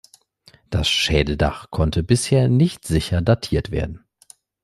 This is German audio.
Das Schädeldach konnte bisher nicht sicher datiert werden.